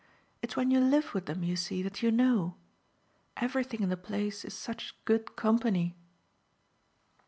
It's when you live with them, you see, that you know. Everything in the place is such good company."